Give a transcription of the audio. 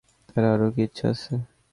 তাঁর আরও কি ইচ্ছা আছে!